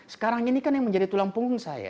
sekarang ini kan yang menjadi tulang punggung saya